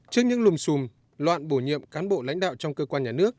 trước những lùm xùm loạn bổ nhiệm cán bộ lãnh đạo trong cơ quan nhà nước